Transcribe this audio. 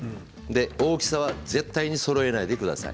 大きさは絶対にそろえないでください。